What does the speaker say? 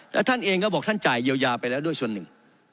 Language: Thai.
แล้วท่านเองก็บอกท่านจ่ายเยียวยาไปแล้วด้วยส่วนหนึ่ง